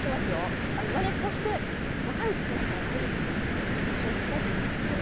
まねっこして分かるとなったら、すぐ一緒にたたいてみてください。